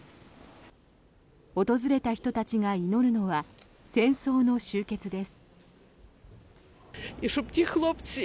訪れた人たちが祈るのは戦争の終結です。